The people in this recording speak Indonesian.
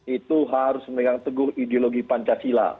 itu harus memegang teguh ideologi pancasila